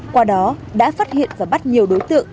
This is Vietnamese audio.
qua đó đã phát hiện và bắt nhiều đối tượng